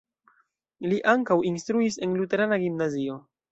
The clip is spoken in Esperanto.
Li ankaŭ instruis en luterana gimnazio.